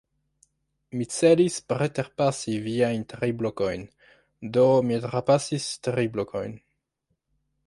Mi celis preterpasi viajn tri blokojn; do, mi trapasis tri blokojn.